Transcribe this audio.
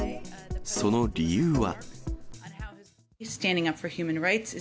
その理由は。